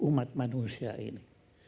umat manusia ini